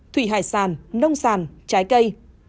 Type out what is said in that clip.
thủy hải sàn nông sàn trái cây